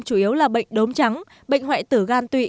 chủ yếu là bệnh đốm trắng bệnh hoại tử gan tụy